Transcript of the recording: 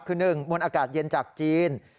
คือ๑มวลอากาศเย็นจากจีน